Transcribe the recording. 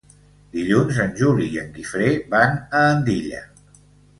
Dilluns en Juli i en Guifré van a Andilla.